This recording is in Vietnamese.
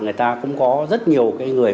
người ta cũng có rất nhiều cái người